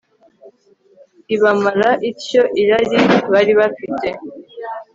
ibamara ityo irari bari bafite